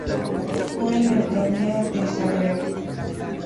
Fue en el Torneo de Zagreb.